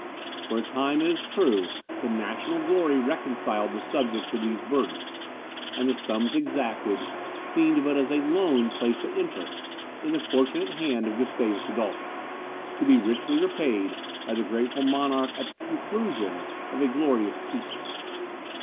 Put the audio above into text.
For a time, it is true, the national glory reconciled the subject to these burdens, and the sums exacted, seemed but as a loan placed at interest, in the fortunate hand of Gustavus Adolphus, to be richly repaid by the grateful monarch at the conclusion of a glorious peace.